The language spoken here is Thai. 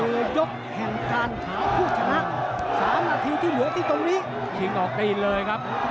คือยกแห่งการหาผู้ชนะ๓นาทีที่เหลือที่ตรงนี้ชิงออกตีนเลยครับ